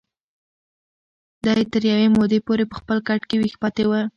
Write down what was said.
دی تر یوې مودې پورې په خپل کټ کې ویښ پاتې و.